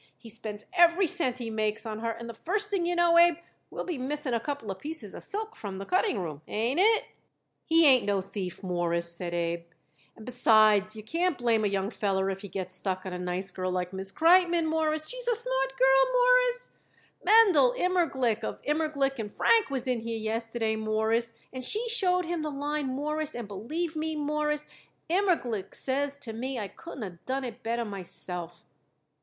He spends every cent he makes on her, and the first thing you know, Abe, we'll be missing a couple of pieces of silk from the cutting room. Ain't it?" "He ain't no thief, Mawruss," said Abe, "and, besides, you can't blame a young feller if he gets stuck on a nice girl like Miss Kreitmann, Mawruss. She's a smart girl, Mawruss. Mendel Immerglick, of Immerglick & Frank, was in here yesterday, Mawruss, and she showed him the line, Mawruss, and believe me, Mawruss, Immerglick says to me I couldn't have done it better myself."